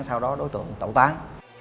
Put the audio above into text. sau đó đối tượng tẩu tán